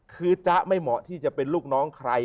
คือจ๊ะไม่เหมาะที่จะเป็นลูกน้องใคร